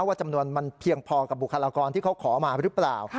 ว่าจำนวนมันเพียงพอกับบุคลากรที่เขาขอมาหรือเปล่า